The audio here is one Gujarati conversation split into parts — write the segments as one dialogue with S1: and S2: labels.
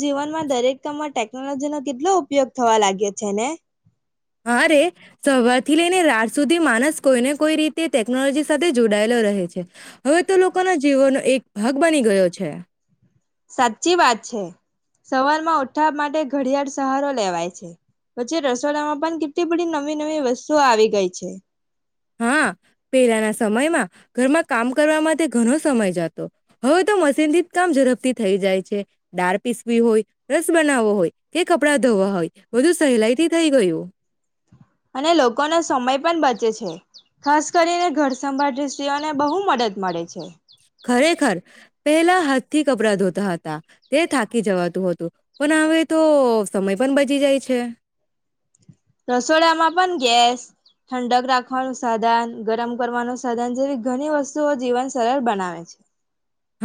S1: જીવનમાં દરેક કામમાં ટેક ટેક્નોલોજી નો કેટલો ઉપયોગ થવા લાગે છેને.
S2: હારે સવાર થી લઈને રાત સુધી માણસ કોઈને કોઈ રીતે ટેકનોલોજી સાથે જોડાયેલો રહે છે. હવે તો લોકોના જીવનનો એક ભાગ બની ગયો છે.
S1: સાચી વાત છે સવારમાં ઉઠા માટે ઘડિયાળ સહારો લેવાય છે પે રસોડામાં પણ કેટલી બધી નવી નવી વસ્તુઓ આવી ગઈ છે.
S2: હા પેલાના સમયમાં ઘરમાં કામ કરવા માટે ઘણ સમય જત હવે તો મશીન થી જ કામ ઝડપથી થઈ જાય. દાળ પીસવી હોય રસ બનાવવો હોય કે કપડા ધોવા હોય બુ સહેલાઈથી થઈ ગયું.
S1: અને લોકોનો સમય પણ બચે છે. ખાસ કરીને ઘરસંભાળ સ્ત્રીઓને બહુ મદદ મળે છે.
S2: ખરેખર પેલા હાથથી કપડાં ધોતા હતા તે થાકી જવાતું હતું પણ હવે તો સમય પણ બચી જાય છે.
S1: રસોડામાં પણ ગેસ ઠંડક રાખવાનું સાધન ગરમ કરવાનું સાધન જેવી ઘણી વસ્તુઓ જીવન સરળ બનાવે છે.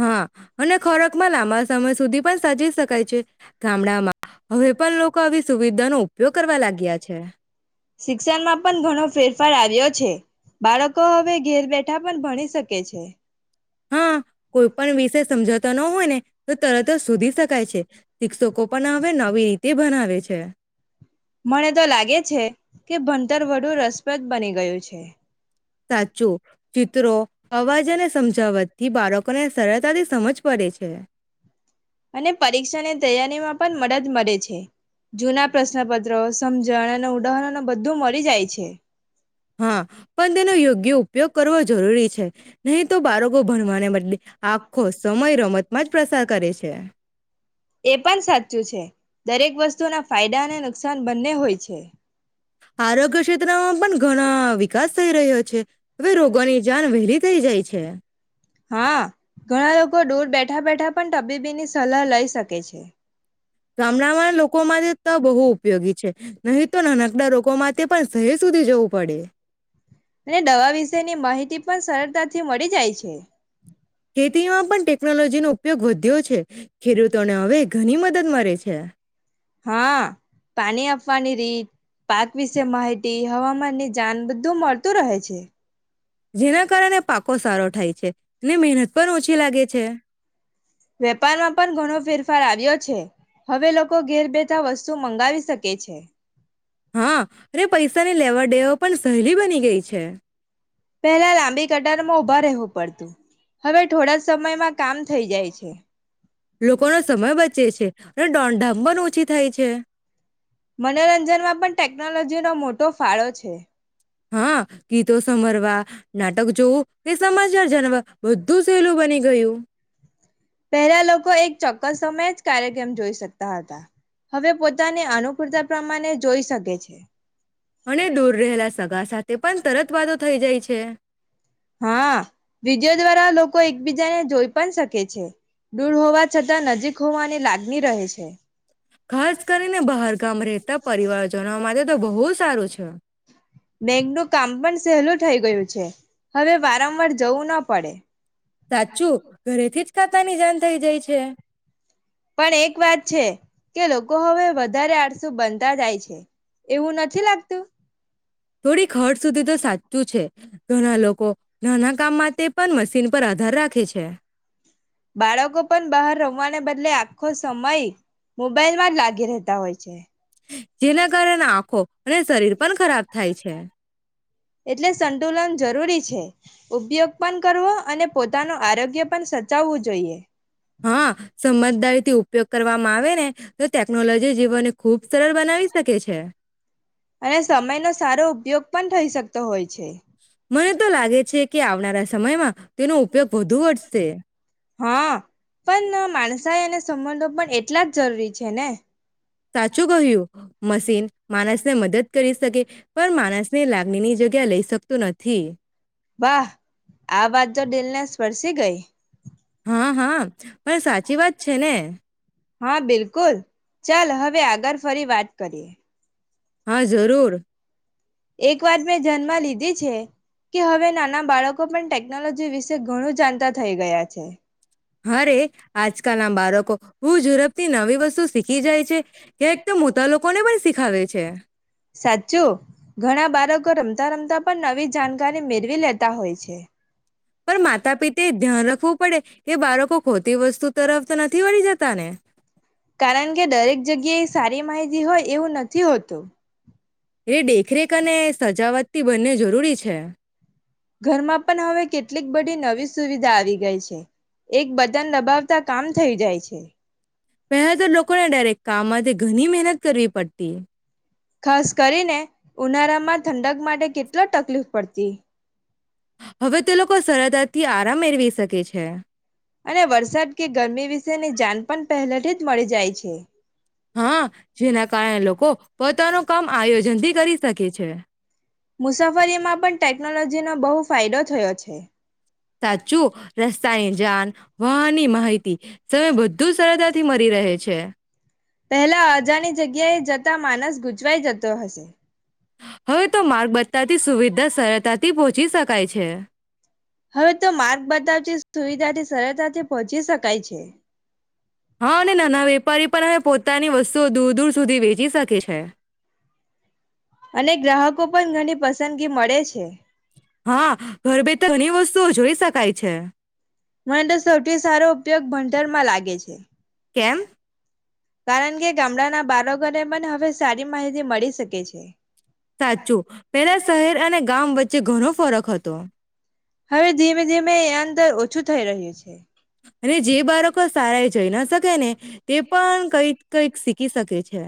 S2: હા અને ખોરાકમાં લાંબા સમય સુધી પણ સાજી શકાય છે. ગામડામાં હવે પણ લોકો આવી સુવિધાનો બયો કરવા લાગ્યા છે.
S1: શિક્ષણમાં પણ ઘણો ફેરફાર આવ્યો છે બાળકો હવે ઘેર બેઠા પણ ભણી શકે છે.
S2: હા કોઈ પણ વિષ સમજ ત ન હોય ને તો તરત જ શોધી શકાય છે શિક્ષકો પણ હવે નવી ર તે બનાવે છે.
S1: મને તો લાગે છે કે ભણતર વડું રસપ્રદ બની ગયું છે.
S2: સાચું ચિત્રો અવાજને સમજાવત થી બાળકોને સરળતાથી સમજ પડે છે
S1: અને પરીક્ષાની તૈયારીમાં પણ મદદ મળે છે જૂના પ્રશ્નપત્રો સમજણ અને ઉદાહરણ ન બધું મળી જાય છે.
S2: હા પણ તેનો યોગ્ય ઉપ ઉપયોગ કરવો જરૂરી છે. નહી તો બાળકો ભણવાને બદલે આખો સમય રમતમાં જ પ્રસાર કરે છે.
S1: ના ફાયદા અને નુકસાન બંને હોય છે.
S2: આરોગ્ય ક્ષેત્રમાં બ ઘણા વિકાસ થઈ રહ્યો છે. હવે રોગોની જાન વહેલી થઈ જાય છે. છે.
S1: હા ઘણા લોકો દૂર બેઠા બેઠા પણ તબીબીની સલાહ લઈ શકે છે.
S2: ગામડામાં લોકો માટે તો બહુ ઉપયોગી છે નહી તો નાનકડા લોકોમાં તે પણ શહેર સુધી જવું પડે.
S1: અને દવા વિશેની માહિતી પણ સરળતાથી મળી જાય છે.
S2: ખેતીમાં પણ ટેકનોલોજી નો ઉપયોગ વધ્યો છે. ખીરું તને હવે ઘણી મદદ માે છે
S1: હા પાણી આપવાની રીત પાક વિશે માહિતી હવામાન ની જાન બધું મળતું રહે છે
S2: જેના કારણે પાકો સારો થાય છે એટલે મહેનત પર ઓ શ લાગે છે
S1: વેપારમાં પણ ઘણો ફેરફાર આવ્યો છે હવે લોકો ઘેર બેઠા વસ્તુ મંગાવી શકે છે.
S2: હા અને પૈસા નની લેવા દેવ. પણ સહેલી બની ગઈ છે.
S1: પેલા લાંબી કટારમાં ઉભા રહેવું પડતું હવે થોડા સમયમાં કામ થઈ જાય છે.
S2: લોકોનોો સમય બચે છે અને દોંઢામ પણ ઓછી. થાય છે.
S1: મનોરંજનમાં પણ ટેકનોલોજી નો મોટો ફાળો છે.
S2: હા ગી તો સમરવા. નાટક જોવ એ સમાચાર જણવાર. બધું સહેલું બની ગયું.
S1: સમય જ કાર્યક્રમ જોઈ શકતા હતા હવે પોતાની અનુકૂળતા પ્રમાણે જોઈ શકે છે.
S2: અને દૂર રહેલા સગા સાથે પણ તરત વાતોો થઈ જાય છે.
S1: હા વિીજયો દ્વારા લોકો એકબીજાને જોઈ પણ શકે છે દૂર હોવા છતાં નજીક હોવાની લાગણી રહે છે.
S2: ખાસ કરીને બહાર ગામ રહેતા પરિવારજનો માટે. તો બહુ સારું છે.
S1: બેંકનું કામ પણ સહેલું થઈ ગયું છે હવે વારંવાર જવું ના પડે.
S2: સાચું ઘરેથી જ કાતા ની જાન થઈ જાય છે. છે.
S1: પણ એક વાત છે કે લોકો હવે વધારે આરસુ બનતા જાય છે એવું નથી લાગતું.
S2: થોડી હર્ટ સુધી તો સાચી. શું છે ઘણા લોકો. નાના કામમાં તે. પણ મશીન પર આધાર રાખે છે.
S1: બાળકો પણ બહાર રમવાને બદલે આખો સમય મોબાઈલમાં જ લાગી રહેતા હોય છે.
S2: જેના કારણે આંખો અને શરીર પણ ખરાબ થાય છે. હ [unintelligible]
S1: એટલે સંતુલન જરૂરી છે ઉપયોગ પણ કરવો અને પોતાનું આરોગ્ય પણ સચાવવું જોઈએ.
S2: હા સમજદારી થી ઉપયોગ કરવામાં આવે ને. તો ટેકનોલોજી જીવન. ખુબ સરળ બનાવી શકે છે.
S1: અને સમય નો સારો ઉપયોગ પણ થઈ શકતો હોય છે
S2: મને તો લાગે છે કે આવનારા સમયમાં તેનો ઉપયોગ વધુ વધશે.
S1: હા પણ માણસાએ અને સંબંધો પણ એટલા જ જરૂરી છે ને.
S2: સાચું કહ્યું મશીન માણસને મદદ કરી શકે પણ માણસની લાગણીની જગ્યા લઈ શકે તું નથી.
S1: વાહ આ વાત જો દિલ ને સ્પર્શી ગઈ.
S2: હા હા પણ સાચી વાત છે ને.
S1: હા બિલકુલ ચાલ હવે આગળ ફરી વાત કરીએ.
S2: હા જરૂર.
S1: એક વાત મેં ધય્નમાં લીધી છે કે હવે નાના બાળકો પણ ટેકનોલોજી વિશે ઘણું જાણતા થઈ ગયા છે.
S2: હા રે આજકાલ ના બાળકો હું ઝડપ થી નવી વસ્તુ. શીખી જાય છે કે એકદમ મોટા લોકોને પણ શીખાવે છે.
S1: સાચું ઘણા બાળકો રમતા રમતા પણ નવી જાણકારી મેળવી લેતા હોય છે.
S2: પણ માતા પિતે ધ્યાન રાખવું પડે. એ બાળકો ખોટી વસ્તુ તરફ તો નથી વળી જતા ને.
S1: કારણ કે દરેક જગ્યા એ સારી માહિતી હોય એવું નથી હોતું.
S2: એ દેખરેખ અને. સજાવટથી બંને જરૂરી છે.
S1: ઘરમાં પણ હવે કેટલીક બધી નવી સુવિધા આવી ગઈ છે એક બટન દબાવતા કામ થઈ જાય છે.
S2: બે હજર લોકો ને ડાયરેક્ટ. કામમાં ઘણી મહેનત કરવી પડતી.
S1: ખાસ કરીને ઉનાળામાં ઠંડક માટે કેટલા તકલીફ પડતી.
S2: હવે તે લોકો સરદ થી આરામ મેળવી શકે છે.
S1: અને વરસાદ કે ગરમી વિશેની જણ પણ પહેલે થી જ મળી જાય છે.
S2: હા જેના કારણે લોકો પોતાનું કામ આયોજન થી કરી. તકે છે.
S1: મુસાફરીમાં પણ ટેકનોલોજીનો બહુ ફાયદો થયો છે.
S2: સાચું રસ્તાની જાન વાહનની માહિતી સમય બધું સરળતાથી મળી રહે છે.
S1: પહેલા અજાણી જગ્યાએ જતા માનસ ગૂચવાઈ જતો હશે.
S2: હવે તો માર્ગ બ તથી સુવિધા સરળતાથી પહોંચી શકાય છે.
S1: હવે તો માર્ગ બતાવતી સુવિધાથી સરળતાથી પહોંચી શકાય છે.
S2: હા અને નાના વેપારી પણ હવે પોતાની વસ્તુઓ દૂર દૂર સુધી વેચી શકે છે.
S1: અને ગ્રાહકો પણ ઘણી પસંદ પસંદગી મળે છે.
S2: હા ઘર બેઠ ઘણી વસ્તુ શું જોઈ શકાય છે.
S1: મને તો સૌથી સારો ઉપયોગ ભંડરમાં લાગે છે.
S2: કેમ?
S1: કારણ કે ગામડાના બાળકોને પણ હવે સારી માહિતી મળી શકે છે.
S2: સાચું પેલા શહેર અને ગામ વચ્ચે ઘણો ફરક હતો.
S1: હવે ધીમે ધીમે એ અંદર ઓછું થઈ રહ્યું છે.
S2: અને જે બાળકો સારા એ જઈ ના શકે ને તે પણ કઈક કઈક શી ક શકે છે.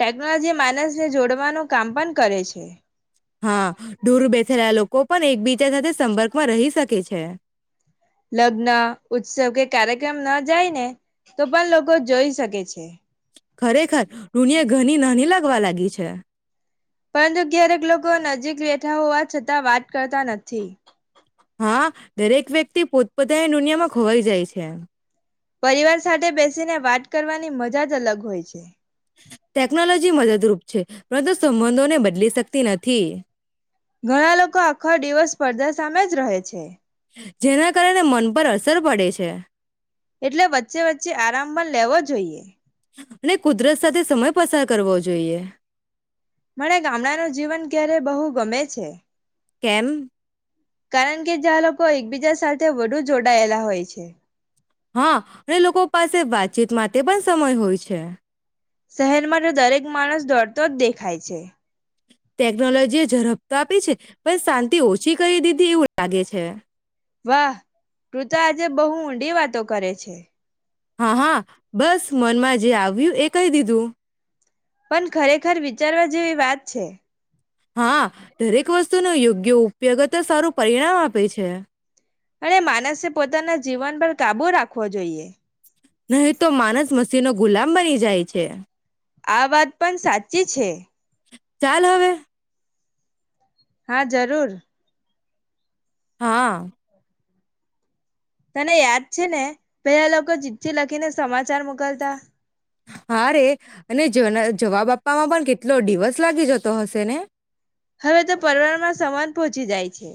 S1: ટેકનોલોજી માનસને જોડવાનું કામ પણ કરે છે.
S2: હા ડૂર બેઠ રહ લોકો કો પણ એકબીજા સાથે સંપર્કમાં રહી શકે છે.
S1: લગ્ન ઉત્સવ કે કાર્યક્રમ ના જાય ને તો પણ લોકો જોઈ શકે છે.
S2: ખરેખર દુનીયા ઘની નાની લાગ લાગી છે.
S1: પરંતુ ક્યારેક લોકો નજીક બેઠા હોવા છતાં વાત કરતા નથી.
S2: હા દરેક વ્યક્તિ પો બધા એ દુનિયામાં ખોવાઈ જાય છે.
S1: પરિવાર સાથે બેસીને વાત કરવાની મજા જ અલગ હોય છે.
S2: ટેકનોલોજી મદદરૂપ છે પરંતુ સંબંધોને બદલી શકતી નથી. થે
S1: ઘણા લોકો આખા દિવસ સ્પર્ધા સામે જ રહે છે.
S2: જેના કારણે મન પર સર પડે છે
S1: એટલે વચ્ચે વચ્ચે આરામ પણ લેવો જોઈએ
S2: અને કુદરત સાથે સમય પસાર કરવો જોઈએ
S1: મને ગામડા ન જીવન ક્યારે બહું ગમે છે
S2: કેમ
S1: કારણ કે જ્યાં લોકો એકબીજા સાથે વધુ જોડાયેલા હોય છે
S2: હા ને લોકો પાસે વાતચીત માટે પણ સમય હોય છે
S1: શહેર મા તો દરેક માણસ દોરતો જ દેખાય છે
S2: ટેકનોલોજી ઝડપ તો આપી છે પણ શાંતિ ઓછી કરી દીધી એવું લાગે છે.
S1: વાહ તું તો આજે બહુ ઊંડી વાતો કરે છે.
S2: હા હા બસ મનમાં જે આવ. આવ્યું એ કહી દીધું.
S1: પણ ખરેખર વિચારવા જેવી વાત છે.
S2: હા દરેક વસ્તુ ન યોગ્ય. ઉપયોગ તો સારું પરિણામ આપે છે.
S1: અને માનસે પોતાના જીવન પર કાબુ રાખવો જોઈએ.
S2: નહી તો માનસ મસ નો ગુલામ બની જાય છે.
S1: આ વાત પણ સાચી છે.
S2: ચાલ હવે.
S1: હા જરૂર.
S2: હા.
S1: તને યાદ છે ને. પેલા લોકો [unintelligible] લ. કીને સમાચાર મોકલતા.
S2: હા રે અને જ જવાબ આપવામાં પણ કેટલો દિવસ લાગી જતો હશે ને.
S1: હવે તો પરવારમાં સમાન પહોંચી જાય છે.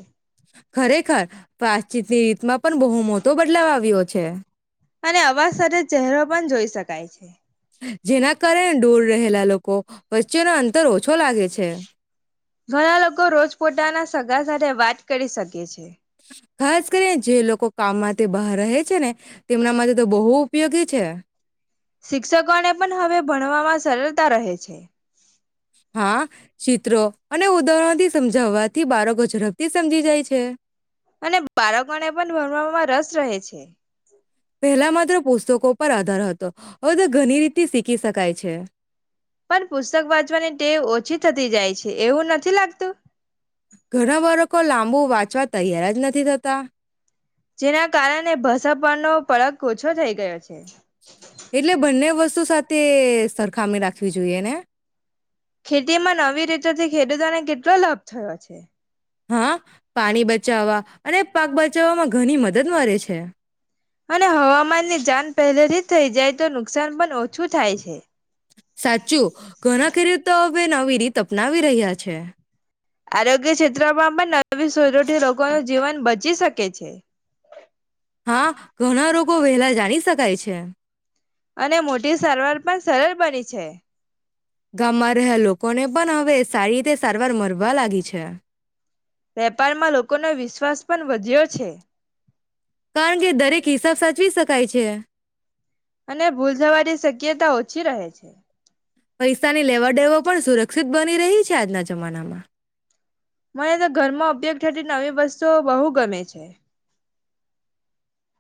S2: ખરેખર વાતચીતની રીતમાં પણ બહુ મોટો બદલાવ આવ્યો છે
S1: અને અવાજ સાથે ચહેરો પણ જોઈ શકાય છે
S2: જેના કારણે ડોર રહેલા લોકો. વચ્ચેનો અંતર ઓછો લાગે છે
S1: ઘણા લોકો રોજપોતાના સ સાથે વાત કરી શકીએ છીએ.
S2: ખાસ કરી જે લોકો કામમાં તે બહાર રહે છે ને. તેમના માટે તો બહુ ઉપયોગી છે.
S1: શિક્ષકોને પણ હવે ભણવામાં સરળતા રહે છે.
S2: હા ચીત્રો અને ઉદાહરણથી સમજાવવાથી બાળકો ઝડપથી સમજી જાય છે
S1: અને બાળકોને પણ ભરવામાં રસ રહે છે.
S2: પેલા માત્ર પુસ્તકો પર આધારત તો હ તો ઘણી રીતે તિ શીખી શકાય છે.
S1: પણ પુસ્તક વાંચવાની ટેવ ઓછી થતી જાય છે એવું નથી લાગતું.
S2: ઘણા બાળકો લાંબુ વાંચવા તૈયાર જ નથી થતા.
S1: જેના કારણે ભસપનો પડક ઓછો થઈ ગયો છે.
S2: એટલે બંને વસ્તુ સાથે તે સરખામી રાખવી જોઈએ ને
S1: ખેતી માં નવી રીતો થી. ખેડૂતોને કેટલો લાભ થયો છે.
S2: હા પાણી બચાવવા અને પાક બચાવવામાં ઘણી મદદ મળે છે
S1: અને હવામાનની જાન પહેલેથી. થઈ જાય તો નુકસાન પણ ઓછું થાય છે.
S2: સાચું ઘણા ખેરુતો તો હવે નવી. ડી અપનાવી રહ્યા છે.
S1: આરોગ્ય ક્ષેત્રમાં પણ નવી સુરૂઠી રોગો ન જીવન બચી શકે છે.
S2: હા ઘણા રોગો વહેલા જાણીશ. શકાય છે.
S1: અને મોટી સારવાર પણ સરળ બની છે.
S2: ગામમાં રહ લોકો. કોને પણ હવે સારી રીતે સારવાર મળરવા લાગી છે.
S1: વેપારમાં લોકોનો વિશ્વાસ પણ વધ્યો છે.
S2: કારણ કે દરેક હિસાબ સાચવી સ. કાય છે.
S1: અને ભૂલ જવાની શક્યતા ઓછી રહે છે.
S2: પૈસાની લેવા દેવો પણ સુર સુરક્ષિત બની રહી છે આજના જમાનામાં.
S1: મને તો ઘરમાં ઉપયોગ થતી નવી વસ્તુઓ બહુ ગમે છે.